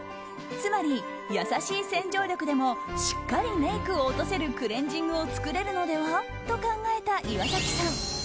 つまり優しい洗浄力でもしっかりメイクを落とせるクレンジングを作れるのではと考えた岩崎さん。